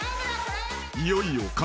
［いよいよ］